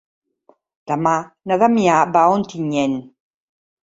Demà na Damià va a Ontinyent.